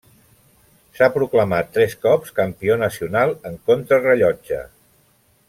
S'ha proclamat tres cops campió nacional en contrarellotge.